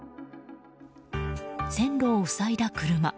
線路を塞いだ車。